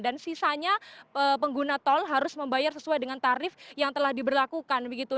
dan sisanya pengguna tol harus membayar sesuai dengan tarif yang telah diberlakukan begitu